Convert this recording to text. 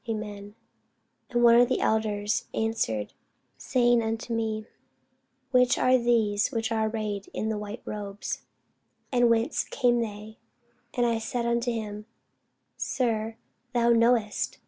Amen. [Sidenote: Rev. 7] And one of the elders answered, saying unto me, What are these which are arrayed in white robes? and whence came they? And I said unto him, Sir, thou knowest.